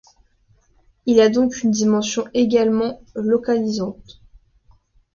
Il a donc une dimension également localisante.